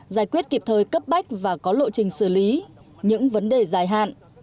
giải quyết kịp thời cấp bách và có lộ trình xử lý những vấn đề dài hạn